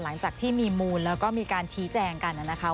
หลังจากที่มีมูลแล้วก็มีการชี้แจงกันนะคะ